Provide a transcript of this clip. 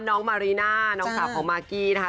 น้องมารีน่าน้องสาวของมากกี้นะคะ